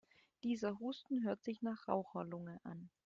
Dieser Husten hört sich nach Raucherlunge an.